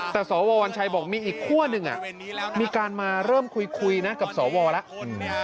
แต่สววัญชัยบอกมีอีกคั่วหนึ่งมีการมาเริ่มคุยนะกับสวแล้ว